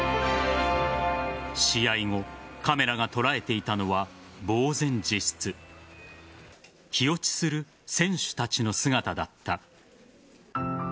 試合後、カメラが捉えていたのは茫然自失気落ちする選手たちの姿だった。